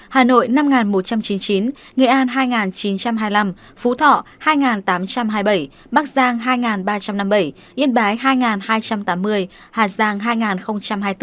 hà nội năm một trăm chín mươi chín nghệ an hai nghìn chín trăm hai mươi năm phú thọ hai tám trăm hai mươi bảy bắc giang hai ba trăm năm mươi bảy yên bái hai hai trăm tám mươi hà giang hai nghìn hai mươi bốn